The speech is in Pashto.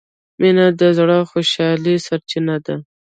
مینه د زړه د خوشحالۍ سرچینه ده.